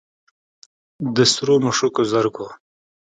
د سرو مشوکو زرکو